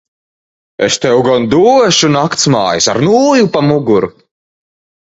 Es tev gan došu naktsmājas ar nūju pa muguru.